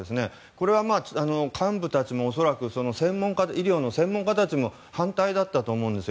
これは幹部たちも医療の専門家たちも恐らく反対だったと思うんです。